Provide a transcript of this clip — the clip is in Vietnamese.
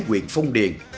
quyện phong điền